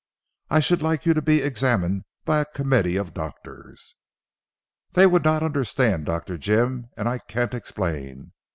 "I should like you to be examined by a committee of doctors." "They would not understand Dr. Jim, and I can't explain.